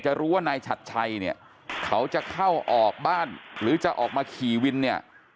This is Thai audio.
รู้ว่านายฉัดชัยเนี่ยเขาจะเข้าออกบ้านหรือจะออกมาขี่วินเนี่ย